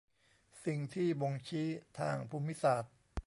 สิ่งที่บ่งชี้ทางภูมิศาสตร์